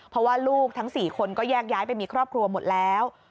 เพราะว่าลูกทั้ง๔คนก็แยกย้ายไปมีครอบครัวหมดแล้ว